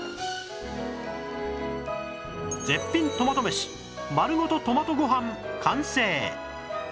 絶品トマトめし丸ごとトマトご飯完成！